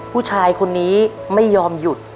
ผู้ชายคนนี้ไม่ยอมหยุด